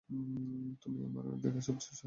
তুমি আমার দেখা সবচেয়ে সাহসী ব্যাক্তি, বুঝেছ?